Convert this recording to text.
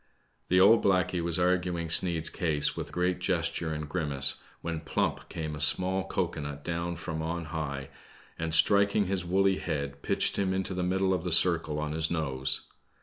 The old blackey was arguing Sneid's case with great gesture and grimace, when plump came a small cocoa nut down from on high, and striking his woolly head pitched him into the middle of the circle on his nose.